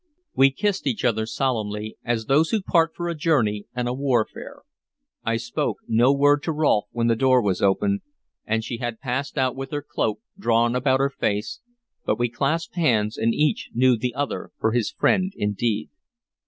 We kissed each other solemnly, as those who part for a journey and a warfare. I spoke no word to Rolfe when the door was opened and she had passed out with her cloak drawn about her face, but we clasped hands, and each knew the other for his friend indeed.